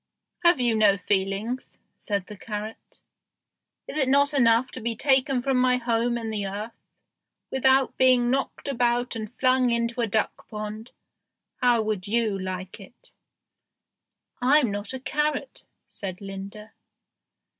"Have you no feelings?" said the carrot. "Is it not enough to be taken from my home in the earth, without being knocked about and flung into a duck pond? How would you like it?" "I'm not a carrot," said Linda.